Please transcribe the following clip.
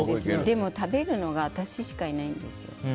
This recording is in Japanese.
でも、食べるのが私しかいないんですよ。